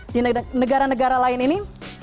di negara negara lain ini